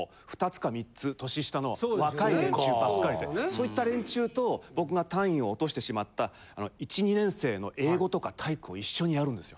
そういった連中と僕が単位を落としてしまった１２年生の英語とか体育を一緒にやるんですよ。